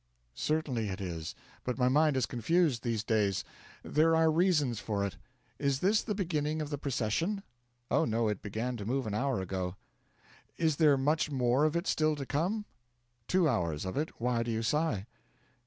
'Certainly it is. But my mind is confused, these days: there are reasons for it.... Is this the beginning of the procession?' 'Oh, no; it began to move an hour ago.' 'Is there much more of it still to come?' 'Two hours of it. Why do you sigh?'